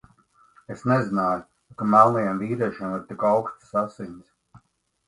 Es nezināju, ka melnajiem vīriešiem ir tik aukstas asinis.